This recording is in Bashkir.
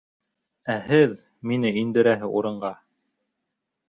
Ә һеҙ... мине индерәһе урынға...